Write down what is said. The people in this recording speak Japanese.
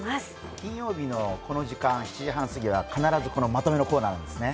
金曜日のこの時間、７時半すぎは、まとめのコーナーなんですね。